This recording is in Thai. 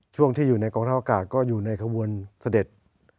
ช่วงที่อยู่ในกองทัพอากาศก็อยู่ในขบวนเสด็จ